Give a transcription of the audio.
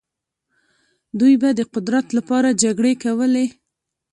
دوی به د قدرت لپاره جګړې کولې.